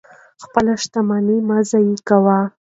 خپله شتمني مه ضایع کوئ.